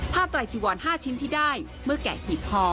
ผ้าไตรจีวอน๕ชิ้นที่ได้เมื่อแกะหิบพอ